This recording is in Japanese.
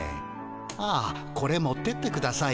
ああこれ持ってってください。